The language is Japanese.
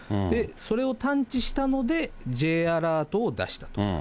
それを探知したので、Ｊアラートを出したと。